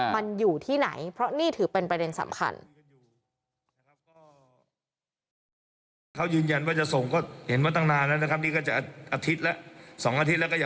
มันอยู่ที่ไหนเพราะนี่ถือเป็นประเด็นสำคัญ